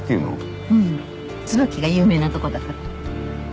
うんツバキが有名なとこだから。